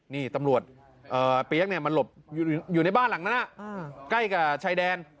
นี่ตำรวจเปี๊ยกมาหลบอยู่ในบ้านหลังนั้นใกล้กับชายแดน